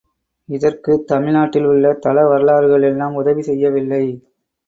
இதற்கு தமிழ் நாட்டில் உள்ள தல வரலாறுகள் எல்லாம் உதவி செய்யவில்லை.